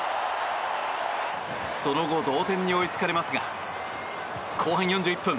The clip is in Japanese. その後、同点に追いつかれますが後半４１分。